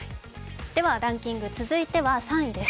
ではランキング、続いては３位です。